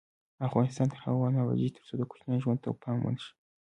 افغانستان تر هغو نه ابادیږي، ترڅو د کوچیانو ژوند ته پام ونشي.